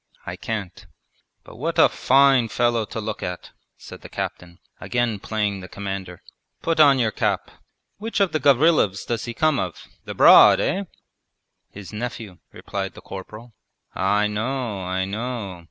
'I can't.' 'But what a fine fellow to look at!' said the captain, again playing the commander. 'Put on your cap. Which of the Gavrilovs does he come of? ... the Broad, eh?' 'His nephew,' replied the corporal. 'I know, I know.